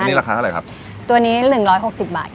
นี่ราคาเท่าไหร่ครับตัวนี้หนึ่งร้อยหกสิบบาทค่ะ